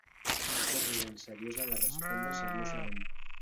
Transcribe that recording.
Un president seriós ha de respondre seriosament.